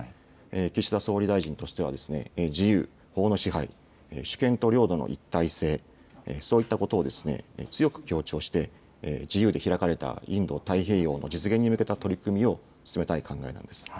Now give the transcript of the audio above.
岸田総理大臣としては、自由、法の支配、主権と領土の一体性、そういったことを強く強調して、自由で開かれたインド太平洋の実現に向けた取り組みを進めたい考えです。